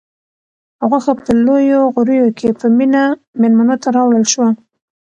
غوښه په لویو غوریو کې په مینه مېلمنو ته راوړل شوه.